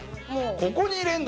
ここに入れるんだ？